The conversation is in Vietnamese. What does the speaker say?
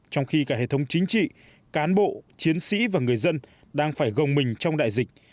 trong khi cả hệ thống chính trị cán bộ chiến sĩ và người dân đang phải gồng mình trong đại dịch